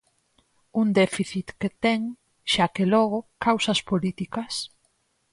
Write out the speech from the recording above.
Un déficit que ten, xa que logo, causas políticas.